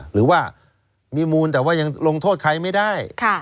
หรือว่ามีมูลแต่ว่ายังลงโทษใครไม่ได้